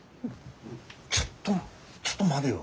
ちょっとちょっと待でよ。